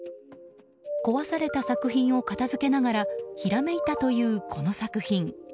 壊された作品を片付けながらひらめいたという、この作品。